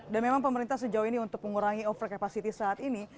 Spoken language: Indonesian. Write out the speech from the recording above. dan memang pemerintah sejauh ini untuk mengurangi overcapacity saat ini